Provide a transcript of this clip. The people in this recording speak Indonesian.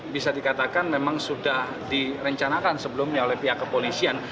bisa dikatakan memang sudah direncanakan sebelumnya oleh pihak kepolisian